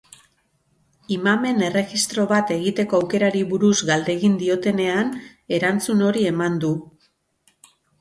Imamen erregistro bat egiteko aukerari buruz galdegin diotenean erantzun hori eman du.